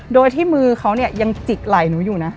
โดยที่มือเขาเนี่ยยังจิกไหล่หนูอยู่นะ